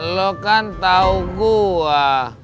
lu kan tau gua